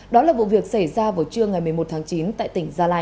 đó là vụ việc xảy ra vào trưa ngày một mươi một tháng chín tại tỉnh gia lai